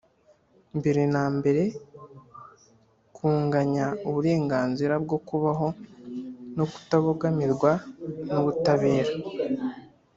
mbere na mbere kunganya uburenganzira bwo kubaho no kutabogamirwa n'ubutabera